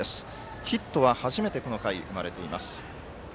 ヒットは初めてこの回、生まれています。